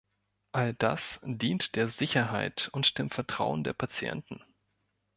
All das dient der Sicherheit und dem Vertrauen der Patienten.